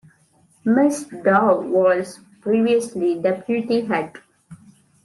Miss Dawe was previously deputy head.